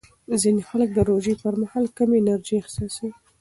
ځینې خلک د روژې پر مهال کم انرژي احساسوي.